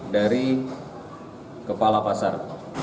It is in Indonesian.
dari kepala pasar